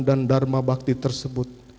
dan dharma bakti tersebut